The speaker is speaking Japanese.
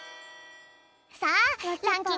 さあランキング